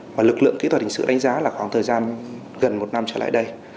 mà lực lượng kỹ thuật hình sự đánh giá là khoảng thời gian gần một năm trở lại đây